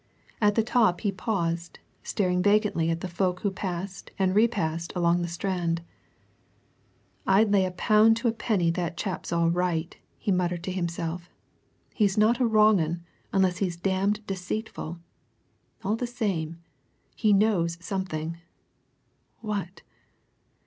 At the top he paused, staring vacantly at the folk who passed and repassed along the Strand. "I'd lay a pound to a penny that chap's all right," he muttered to himself. "He's not a wrong 'un unless he's damned deceitful! All the same, he knows something! What?